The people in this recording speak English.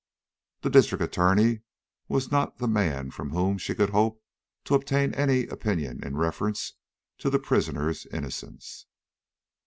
The District Attorney was not the man from whom she could hope to obtain any opinion in reference to the prisoner's innocence.